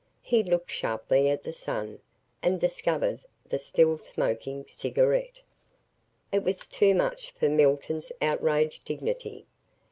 He looked sharply at the "son" and discovered the still smoking cigarette. It was too much for Milton's outraged dignity.